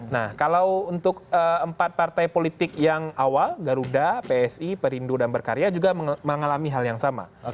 nah kalau untuk empat partai politik yang awal garuda psi perindu dan berkarya juga mengalami hal yang sama